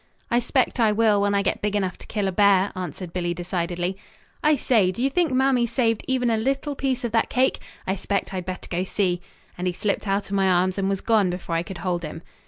"I 'spect I will, when I get big enough to kill a bear," answered Billy decidedly. "I say, do you think Mamie saved even a little piece of that cake? I 'spect I had better go see," and he slipped out of my arms and was gone before I could hold him.